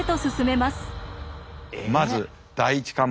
まず第一関門